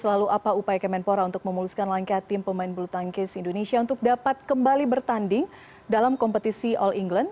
lalu apa upaya kemenpora untuk memuluskan langkah tim pemain bulu tangkis indonesia untuk dapat kembali bertanding dalam kompetisi all england